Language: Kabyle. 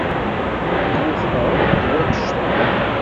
Ur k-wufqeɣ akk deg wanect-a.